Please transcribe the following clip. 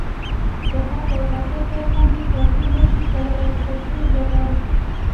د حق او باطل تر منځ یې توپیر نشو کولای په پښتو ژبه.